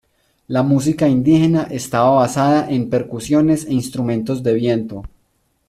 La música indígena estaba basada en percusiones e instrumentos de viento.